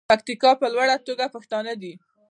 د پکتیکا په لوړه توګه پښتانه دي.